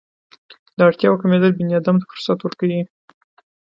د اړتیاوو کمېدل بني ادم ته فرصت ورکوي.